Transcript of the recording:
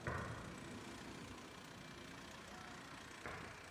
কারও সঙ্গে নিজেকে তুলনা করতে গেলে আপনার মধ্যে হতাশা তৈরি হতে পারে।